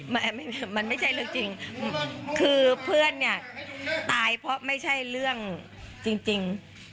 มันมันไม่ใช่เรื่องจริงคือเพื่อนเนี่ยตายเพราะไม่ใช่เรื่องจริง